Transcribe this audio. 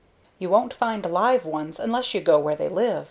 You won't find live ones unless you go where they live.